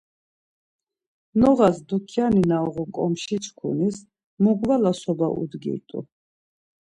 Noğas dyukkyani na uğun ǩomşiçkunis mugvala soba udgirt̆u.